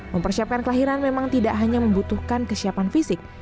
mempersiapkan kelahiran memang tidak hanya membutuhkan kesiapan fisik